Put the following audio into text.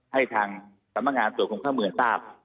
ให้ทางสำนักงานตรวจคนเข้าเมืองทราบ